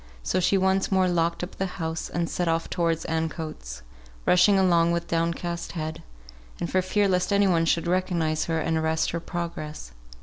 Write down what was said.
So she once more locked up the house, and set off towards Ancoats; rushing along with down cast head, for fear lest any one should recognise her and arrest her progress.